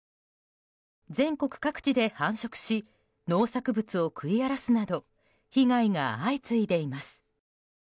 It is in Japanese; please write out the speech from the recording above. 全国各地で繁殖し農作物を食い荒らすなど被害が相次いでいます。